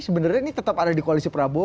sebenarnya ini tetap ada di koalisi prabowo